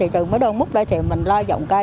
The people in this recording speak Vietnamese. trừ mới đơn mức đó thì mình lo dọn cây